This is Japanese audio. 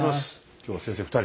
今日は先生２人。